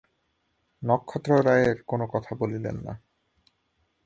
নক্ষত্ররায়ের কোনো কথা বলিলেন না।